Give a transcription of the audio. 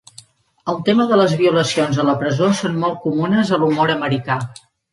El tema de les violacions a la presó són molt comunes a l'humor americà.